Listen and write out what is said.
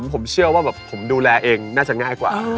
ผมเชื่อว่าแบบผมดูแลเองน่าจะง่ายกว่า